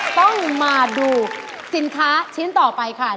ต้องมาดูสินค้าชิ้นต่อไปค่ะ